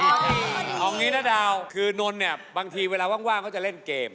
เอางี้นะดาวคือนนท์เนี่ยบางทีเวลาว่างเขาจะเล่นเกม